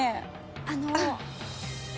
あの。